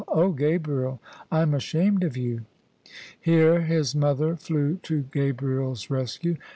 Oh, Gabriel, Tm ashamed of you! " Here his mother flew to Gabriel's rescue.